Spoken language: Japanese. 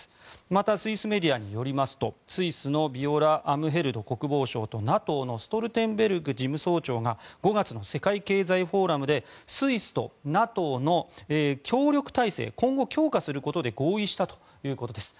またスイスメディアによりますとスイスのビオラ・アムヘルド国防相とＮＡＴＯのストルテンベルグ事務総長が５月の世界経済フォーラムでスイスとＮＡＴＯの協力体制を今後、強化することで合意したということです。